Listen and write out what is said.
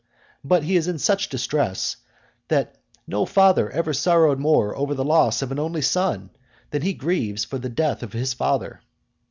But he is in such distress, that no father ever sorrowed more over the loss of an only son than he grieves for the death of his father.